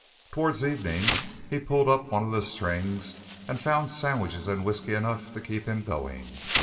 Towards evening, he pulled up one of his strings and found sandwiches and whisky enough to keep him going.